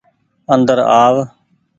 اندر آو۔